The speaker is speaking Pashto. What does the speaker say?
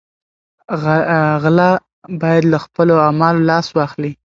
غله باید له خپلو اعمالو لاس واخلي.